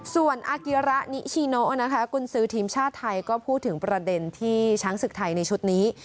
ส่วนอากิระนิชิโนนะคะกุญสือทีมชาติไทยก็พูดถึงประเด็นที่ช้างศึกไทยในชุดนี้